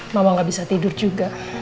mama gak bisa tidur juga